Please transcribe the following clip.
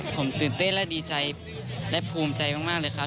ผมตื่นเต้นและดีใจและภูมิใจมากเลยครับ